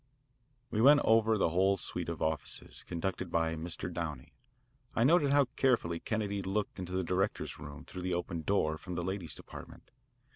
We next went over the whole suite of offices, conducted by Mr. Downey. I noted how carefully Kennedy looked into the directors' room through the open door from the ladies' department.